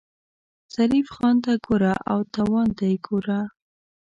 ظریف خان ته ګوره او تاوان ته یې ګوره.